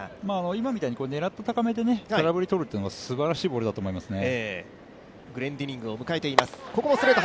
今みたいに狙った高めで空振りを取るというのはすばらしいボールだと思いますね。